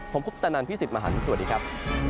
ผมคุปตะนันพี่สิทธิ์มหันฯสวัสดีครับ